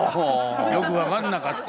よく分かんなかった？